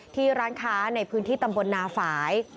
ที่ร้านค้าในพื้นที่ตำบลนาฝ่าย